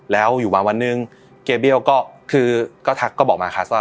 แล้วอยู่วันหนึ่งเกฟเวียลก็บอกมาร์คัสว่า